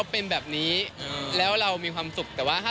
ก็แล้วแต่ความกินเต็มนะคะ